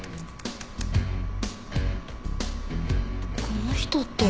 この人って。